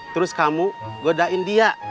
terus kamu godain dia